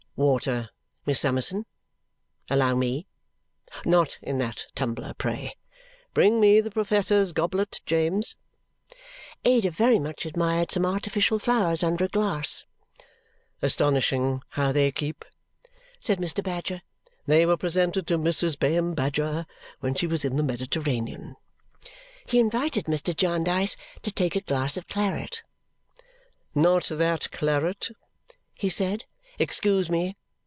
"Water, Miss Summerson? Allow me! Not in that tumbler, pray. Bring me the professor's goblet, James!" Ada very much admired some artificial flowers under a glass. "Astonishing how they keep!" said Mr. Badger. "They were presented to Mrs. Bayham Badger when she was in the Mediterranean." He invited Mr. Jarndyce to take a glass of claret. "Not that claret!" he said. "Excuse me!